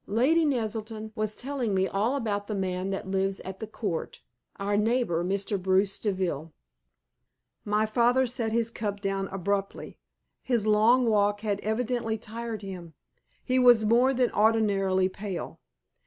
"Lady Naselton was telling me all about the man that lives at the Court our neighbor, Mr. Bruce Deville." My father set his cup down abruptly. His long walk had evidently tired him. He was more than ordinarily pale.